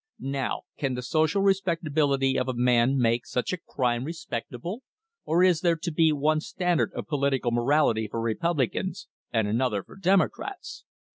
Now, can the social respectability of a man make such a crime respectable ? Or is there to be one standard of political morality for Republicans and another for Democrats